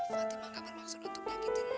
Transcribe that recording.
fatimah nggak bermaksud untuk menyakitimu